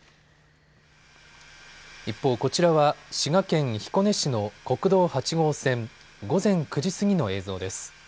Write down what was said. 一方、こちらは滋賀県彦根市の国道８号線、午前９時過ぎの映像です。